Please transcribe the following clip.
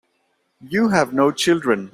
You have no children.